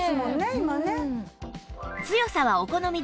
今ね。